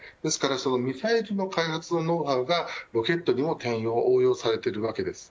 ミサイルの開発のノウハウがロケットにも転用応用されています。